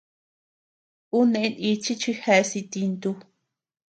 Ú neʼe nichi chi jeas itintu.